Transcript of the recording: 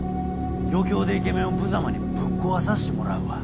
余興でイケメンをぶざまにぶっ壊さしてもらうわ。